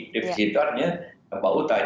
divisi itu artinya dapat utang